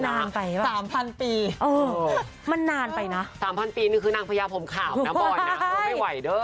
ตายแล้ว๓๐๐๐ปีมันนานไปนะ๓๐๐๐ปีนึงคือนางพระเยาะผมข่าวน้ำบ๋อยนะไม่ไหวเด้อ